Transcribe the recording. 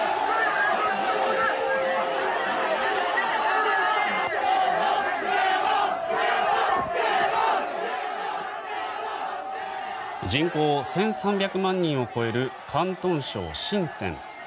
花王人口１３００万人を超える広東省シンセン。